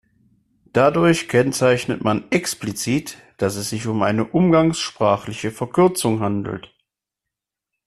Dadurch kennzeichnet man explizit, dass es sich um eine umgangssprachliche Verkürzung handelt.